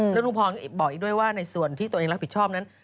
แล้วลุงพรก็บอกอีกด้วยว่าในส่วนที่ตัวเองรับผิดชอบนั้น